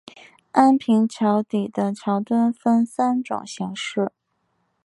安平桥底的桥墩分三种形式。